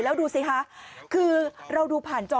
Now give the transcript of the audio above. แล้วดูสิคะคือเราดูผ่านจอ